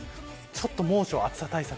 ちょっと猛暑暑さ対策